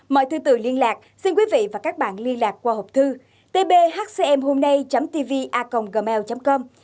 mọi thư tử liên lạc xin quý vị và các bạn liên lạc qua hộp thư tbhcmhomnay tvacomgmail com